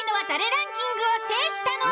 ランキングを制したのは。